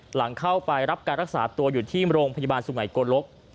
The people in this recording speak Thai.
หลังเข้าไปรับการรักษาตัวอยู่ที่โรงพยาบาลสุไงโกลก